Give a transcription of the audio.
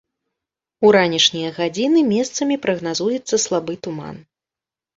У ранішнія гадзіны месцамі прагназуецца слабы туман.